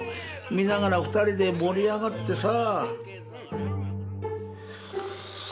見ながら２人で盛り上がってさ。